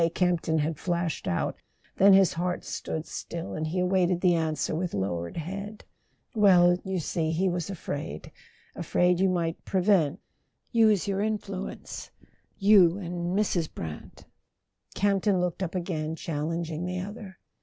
Camp ton had flashed out; then his heart stood still, and he awaited the answer with lowered head. "Well, you see, he was afraid: afraid you might pre¬ vent ... use your influence ... you and Mrs. Brant. .." Campton looked up again, challenging the other.